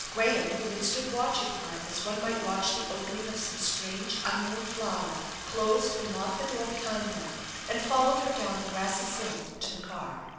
Graham, who had stood watching her as one might watch the opening of some strange, unknown flower, closed and locked the door behind them, and followed her down the grassy slope to the car.